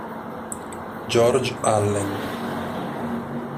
George Allen